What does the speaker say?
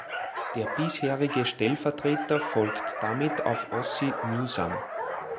Der bisherige Stellvertreter folgt damit auf Ozzie Newsome.